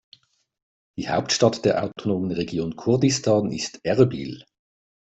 Die Hauptstadt der autonomen Region Kurdistan ist Erbil.